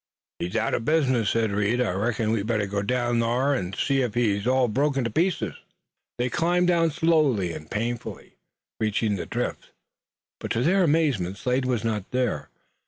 "He's out o' business," said Reed. "I reckon we'd better go down thar, an' see ef he's all broke to pieces." They climbed down slowly and painfully, reaching the drift, but to their amazement Slade was not there.